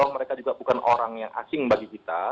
mereka juga bukan orang yang asing bagi kita